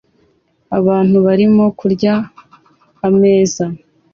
Abantu barimo kurya ameza